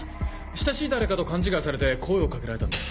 親しい誰かと勘違いされて声を掛けられたんです。